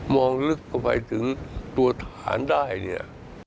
มองลึกเข้าไปถึงตัวฐานได้